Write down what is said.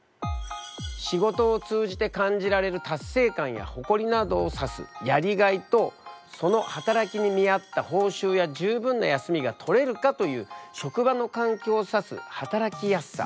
仕事を通じて感じられる達成感や誇りなどを指すやりがいとその働きに見合った報酬や十分な休みが取れるかという職場の環境を指す働きやすさ。